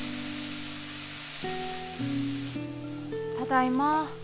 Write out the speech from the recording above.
ただいま。